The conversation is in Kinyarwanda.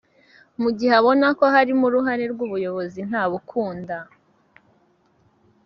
Mu gihe abona ko harimo uruhare rw’ubuyobozi ntabukunda